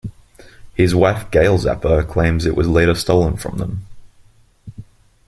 His wife Gail Zappa claims that it was later stolen from them.